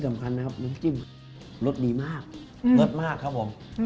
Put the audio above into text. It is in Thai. สำคัญนะครับน้ำจิ้มรสดีมากรสมากครับผม